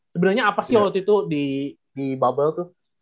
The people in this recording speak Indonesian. sebenarnya apa sih waktu itu di bubble tuh